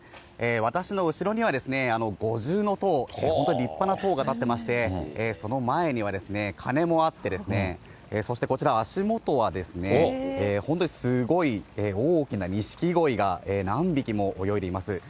私の後ろにはですね、五重塔、本当、立派な塔が建っていまして、その前には、鐘もあって、そしてこちら、足元はですね、本当にすごい大きなニシキゴイが何匹も泳いでいます。